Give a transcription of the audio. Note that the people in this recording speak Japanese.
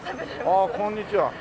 ああこんにちは。